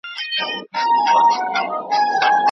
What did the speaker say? ځیني اورېدونکي به حتی سرونه ورته وښوروي